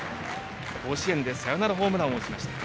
甲子園でサヨナラホームランを打ちました。